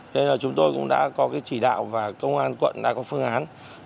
thế nên chúng tôi cũng đã có chỉ đạo và công an quận đã có phương án